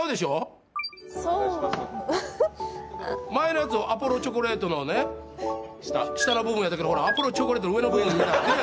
前のやつアポロチョコレートの下の部分やったけどアポロチョコレートの上の部分みたいなってるやろ。